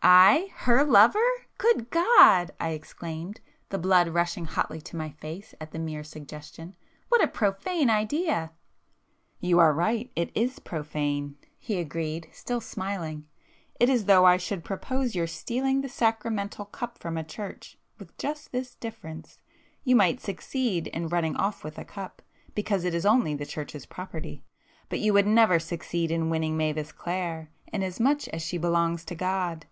"I! Her lover! Good God!" I exclaimed, the blood rushing hotly to my face at the mere suggestion—"What a profane idea!" "You are right,—it is profane;"—he agreed, still smiling—"It is as though I should propose your stealing the sacramental cup from a church, with just this difference,—you might succeed in running off with the cup because it is only the church's property, but you would never succeed in winning Mavis Clare, inasmuch as she belongs to God.